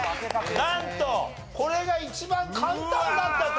なんとこれが一番簡単だったと。